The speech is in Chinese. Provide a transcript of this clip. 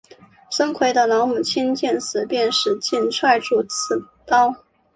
孙奎的老母亲见此便使劲攥住刺刀。